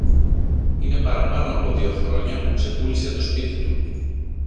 Είναι παραπάνω από δυο χρόνια που ξεπούλησε το σπίτι του